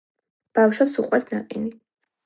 ბავშვებს უყვართ ნაყინი